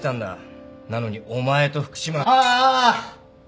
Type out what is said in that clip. なのにお前と福島。